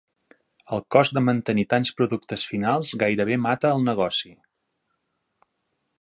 El cost de mantenir tants productes finals gairebé mata el negoci.